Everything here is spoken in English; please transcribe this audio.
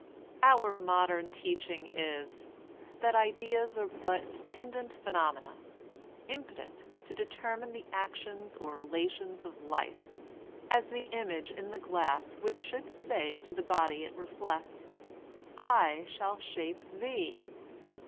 Our modem teaching is that ideas are but attendant phenomena, impotent to determine the actions or rela tions of life, as the image in the glass which should say to the body it reflects: '7 shall shape ihe^.